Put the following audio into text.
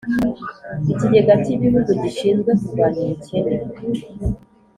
Ikigega cy’ Ibihugu gishinzwe kurwanya ubukene